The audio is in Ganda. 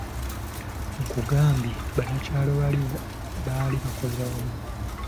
Nkugambye banakyalo bali baali bakolera wamu.